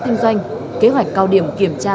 kinh doanh kế hoạch cao điểm kiểm tra